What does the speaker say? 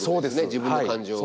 自分の感情を。